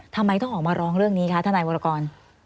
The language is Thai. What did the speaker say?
ทำไมต้องออกมาร้องเรื่องนี้คะทนายวรกร